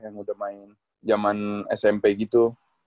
yang udah main zaman smp gitu